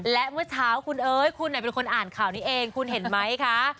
และเมื่อเช้าคุณเอ๋ยคุณเป็นคนอ่านข่าวนี้เองคุณเห็นไหมคะ